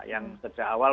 yang sejak awal